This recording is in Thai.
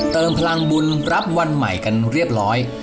เติมพลังบุญรับวันใหม่กันเรียบร้อย